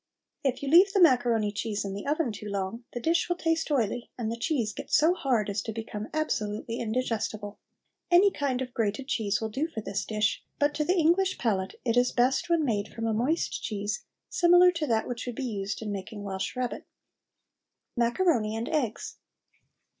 If you leave the macaroni cheese in the oven too long the dish will taste oily and the cheese get so hard as to become absolutely indigestible. Any kind of grated cheese will do for this dish, but to the English palate it is best when made from a moist cheese similar to that which would be used in making Welsh rabbit. MACARONI AND EGGS.